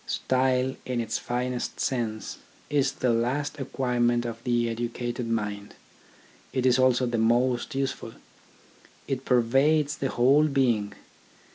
Style, in its finest sense, is the last acquirement of the educated mind ; it is also the most useful. It pervades the whole being.